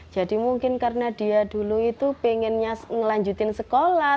jadi mungkin karena dia dulu itu pengennya ngelanjutin sekolah